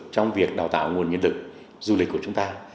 trong việc đào tạo nguồn nhân lực du lịch của chúng ta